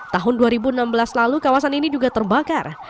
tahun dua ribu enam belas lalu kawasan ini juga terbakar